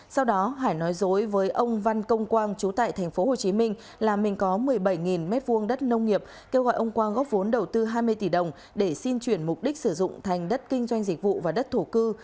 sau đó hải nói dối với ông văn công quang chú tại tp hcm là mình có một mươi bảy m hai đất nông nghiệp kêu gọi ông quang góp vốn đầu tư hai mươi tỷ đồng để xin chuyển mục đích sử dụng thành đất kinh doanh dịch vụ và đất thổ cư